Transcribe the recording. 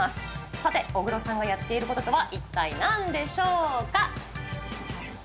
さて、小黒さんがやっていることとは一体なんでしょうか。